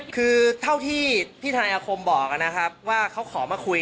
คือเท่าที่ทนายอาคมบอกนะครับว่าเขาขอมาคุย